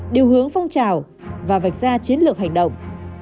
điều hướng phong trào và vạch ra chiến lược hành động